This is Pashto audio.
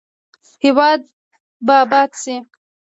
هیواد به اباد شي؟